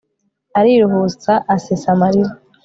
Ariruhutsa asesa amarira